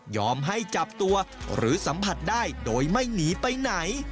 ให้จับตัวหรือสัมผัสได้โดยไม่หนีไปไหน